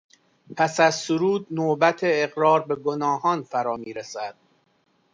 پس از سرود نوبت اقرار به گناهان فرامیرسد.